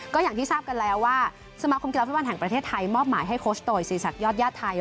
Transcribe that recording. ก็อย่างที่ทราบกันแล้วว่าสมาคมกีฬาฟุตบอลแห่งประเทศไทยมอบหมายให้โคชโตยศรีสักยอดญาติไทย